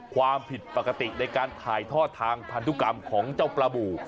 ความผิดปกติในการถ่ายทอดทางพันธุกรรมของเจ้าปลาบู